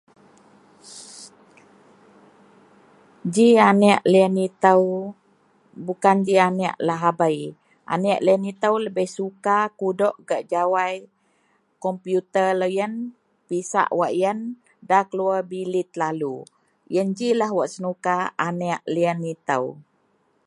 Program redio dagen likou wak senuka kou yen lah, Salam Abei Itou, program yen kena bak menyatu semua tenawan nda kira bangsa Melanau, bangsa kek puun bei kawak tutui dagen bangsa dagen program yen